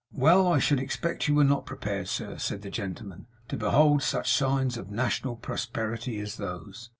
'Well, I should expect you were not prepared, sir,' said the gentleman, 'to behold such signs of National Prosperity as those?